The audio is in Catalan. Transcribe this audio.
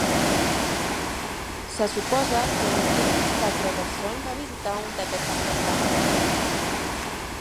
Se suposa que Etienne-Gaspard Robertson va visitar un d'aquests espectacles.